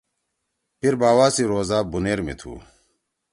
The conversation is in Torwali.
پیرباوا سی روزا بونیر می تُھو۔